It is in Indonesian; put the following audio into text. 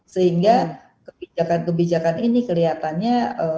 sehingga kebijakan kebijakan ini kelihatannya